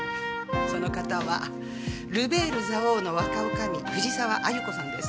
その方はル・ベール蔵王の若女将藤沢亜由子さんです。